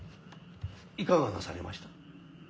・いかがなされました。